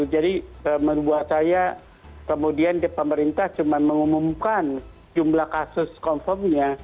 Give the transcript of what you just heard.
jadi membuat saya kemudian di pemerintah cuma mengumumkan jumlah kasus confirmnya